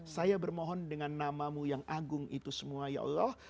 saya bermohon dengan namamu yang agung itu semua ya allah